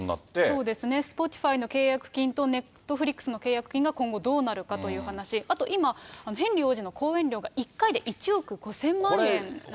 そうですね、スポティファイの契約金とネットフリックスの契約金が今後どうなるかという話、あと今、ヘンリー王子の講演料が１回で１億５０００万円なんだそうです。